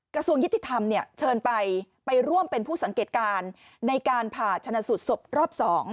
กระทรวงยุติธรรมเชิญไปไปร่วมเป็นผู้สังเกตการณ์ในการผ่าชนะสูตรศพรอบ๒